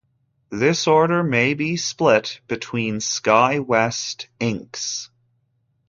This order may be split between SkyWest, Inc's.